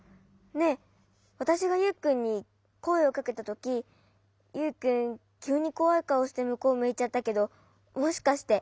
ねえわたしがユウくんにこえをかけたときユウくんきゅうにこわいかおしてむこうむいちゃったけどもしかして。